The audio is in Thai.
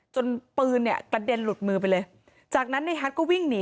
จนปืนเนี่ยกระเด็นหลุดมือไปเลยจากนั้นในฮัทก็วิ่งหนี